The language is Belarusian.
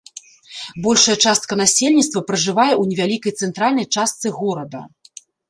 Большая частка насельніцтва пражывае ў невялікай цэнтральнай частцы горада.